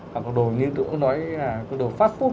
hoặc là đồ phát phốt